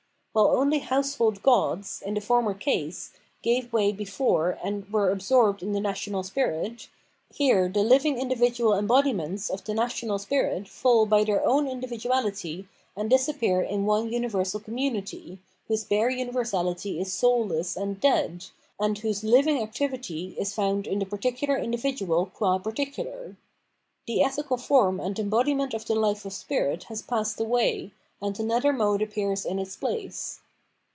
While only household gods, in the former case, gave way before and were absorbed in the national spirit, here the living individual embodiments of the national spirit fall by their own individuality and disappear in one universal commrmity, whose bare universality is soulless and dead, and whose living activity is found in the particular individual qua particular. The ethical form and embodiment of the hfe of spirit has passed away, and another mode appears in its place.